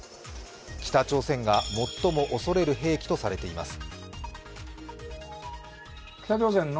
北朝鮮が最も恐れる兵器とされています。